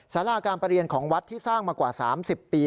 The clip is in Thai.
สาราการประเรียนของวัดที่สร้างมากว่า๓๐ปี